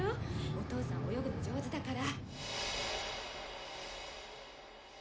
お父さん泳ぐの上手だから。